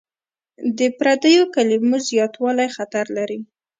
د پردیو کلمو زیاتوالی خطر لري.